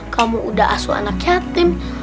kamu udah asuh anak yatim